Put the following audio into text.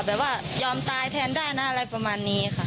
แบบว่ายอมตายแทนได้นะอะไรประมาณนี้ค่ะ